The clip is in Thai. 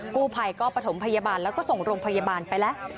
กู้ภัยก็ประถมพยาบาลแล้วก็ส่งโรงพยาบาลไปแล้ว